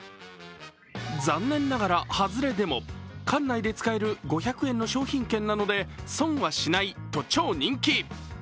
残念ながら外れでも館内で使える５００円の商品券なので損はしないと超人気。